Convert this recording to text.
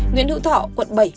nguyễn hữu thọ quận bảy